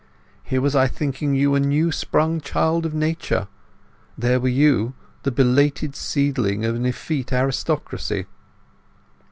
Here was I thinking you a new sprung child of nature; there were you, the belated seedling of an effete aristocracy!"